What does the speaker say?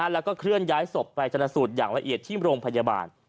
แล้วก็เคลื่อนย้ายศพไปจนสูตรอย่างละเอียดที่โรงพยาบาล